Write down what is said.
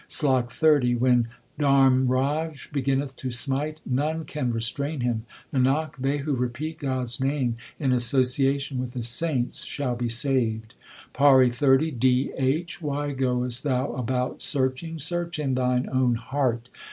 SLOK XXX When Dharmraj beginneth to smite, none can restrain him : Nanak, they who repeat God s name in association with the saints shall be saved. PAURI XXX D H. Why goest thou about searching ? search in thine own heart.